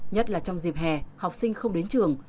nhất là trong dịp hè học sinh không đến trường